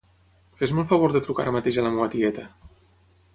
Fes-me el favor de trucar ara mateix a la meva tieta.